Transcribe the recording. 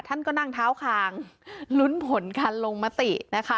ท่านก็นั่งเท้าคางลุ้นผลการลงมตินะคะ